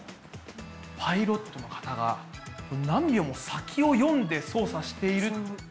パイロットの方が何秒も先を読んで操作しているっていうのを見て。